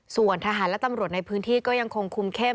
ส่วนทหารและตำรวจในพื้นที่ก็ยังคงคุมเข้ม